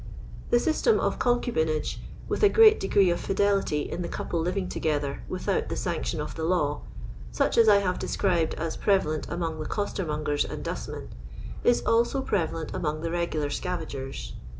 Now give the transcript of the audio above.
The system of concubinage, with a great de gree of fidelity in the couple living together with out the sanction of the law — such as I bare described as prevalent among the •costermongera and dustmen — is also prevalent among the reguhir leaTagerf.